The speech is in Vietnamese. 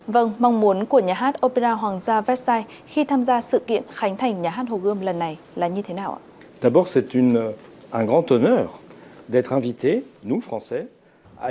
vâng mong muốn của nhà hát opera hoàng gia vessai khi tham gia sự kiện khánh thành nhà hát hồ gươm lần này là như thế nào ạ